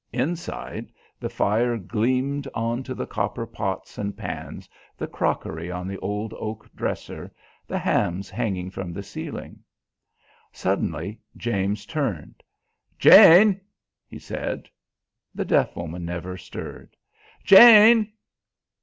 Inside, the fire gleamed on to the copper pots and pans, the crockery on the old oak dresser, the hams hanging from the ceiling. Suddenly James turned. "Jane!" he said. The deaf woman never stirred. "Jane!"